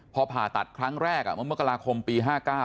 พอผ่าตัดครั้งแรกเมื่อมกราคมปี๕๙